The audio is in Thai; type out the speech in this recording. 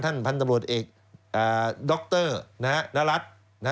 ท่านพันธ์ตำรวจเอกด๊อคเตอร์ณรัทธ์